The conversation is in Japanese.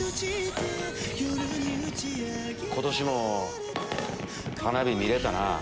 今年も花火見れたな。